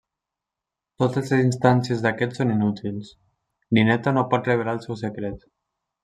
Totes les instàncies d'aquest són inútils, Nineta no pot revelar el seu secret.